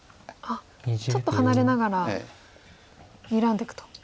ちょっと離れながらにらんでいくと。